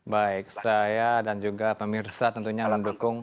baik saya dan juga pemirsa tentunya mendukung